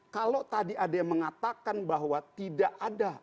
kalau tadi ada yang mengatakan bahwa tidak ada